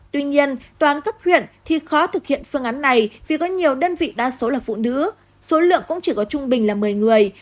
tuy nhiên toàn cấp huyện thì khó thực hiện phương án này vì có nhiều đơn vị đa số là phụ nữ số lượng cũng chỉ có trung bình là một mươi người